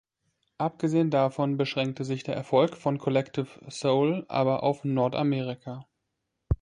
Abgesehen davon beschränkte sich der Erfolg von Collective Soul aber auf Nordamerika.